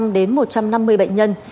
một trăm linh đến một trăm năm mươi bệnh nhân